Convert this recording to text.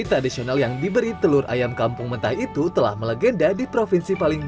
tradisional yang diberi telur ayam kampung mentah itu telah melegenda di provinsi paling